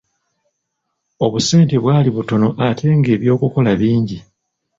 Obusente bwali butono ate nga eby'okukola bingi!